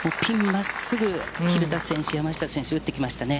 まっすぐ、蛭田選手、山下選手、打ってきましたね。